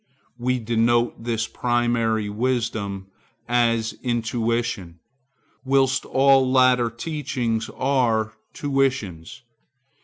We denote this primary wisdom as Intuition, whilst all later teachings are tuitions.